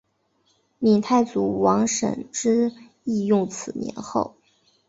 闽太祖王审知亦用此年号。